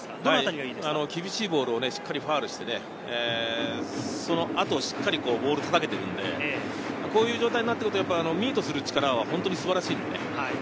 厳しいボールをきっちりファウルして、そのあと、しっかりボールをかけているので、こういう状態になってくると、ミートする力が素晴らしいですね。